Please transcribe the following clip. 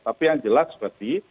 tapi yang jelas seperti